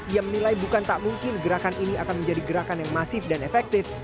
ia menilai bukan tak mungkin gerakan ini akan menjadi gerakan yang masif dan efektif